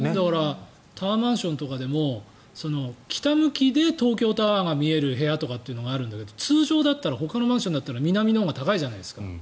タワーマンションとかでも北向きで東京タワーが見える部屋というのがあるんだけど、通常だったらほかのマンションだったら南のほうが高いじゃないですか。